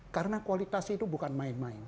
karena kualitas itu bukan main main